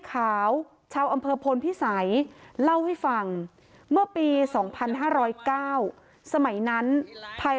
ขาวชาวอำเภอพลพิสัยเล่าให้ฟังเมื่อปี๒๕๐๙สมัยนั้นภัย